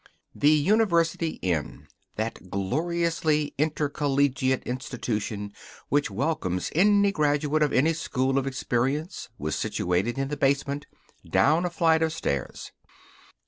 The University Inn, that gloriously intercollegiate institution which welcomes any graduate of any school of experience, was situated in the basement, down a flight of stairs.